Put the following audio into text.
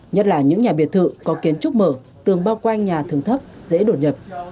nhất là những nhà biệt thự có kiến trúc mở tường bao quanh nhà thường thấp dễ đột nhập